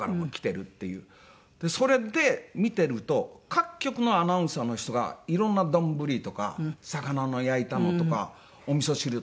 それで見てると各局のアナウンサーの人がいろんな丼とか魚の焼いたのとかおみそ汁とか飲んでて。